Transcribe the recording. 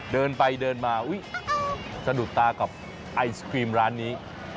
เดินไปเดินมาอุ๊ยสะดุดตากับไอศครีมร้านนี้